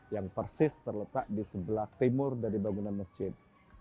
yang persis terletak di sebelah timur dari bangunan masjid